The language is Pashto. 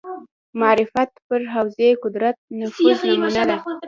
معرفت پر حوزې قدرت نفوذ نمونه ده